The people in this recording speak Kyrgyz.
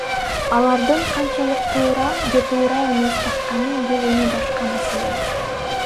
Алардын канчалык туура же туура эмес тартканы бул эми башка маселе.